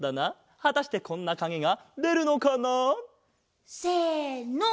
はたしてこんなかげがでるのかな？せの！